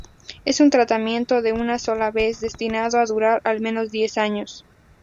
Es un tratamiento de una sola vez destinado a durar al menos diez años.